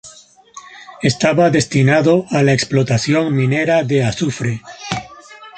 Estaba destinado a la explotación minera de azufre.